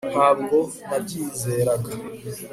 ntabwo nabyizeraga